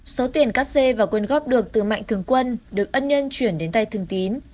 số tiền các c và quyên góp được từ mạnh thường quân được ân nhân chuyển đến tay thường tín